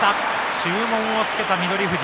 注文をつけた翠富士。